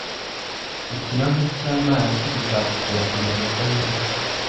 Ikirahuri cyamazi bizagutera kumererwa neza.